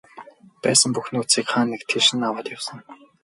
Байсан бүх нөөцийг хаа нэг тийш нь аваад явсан.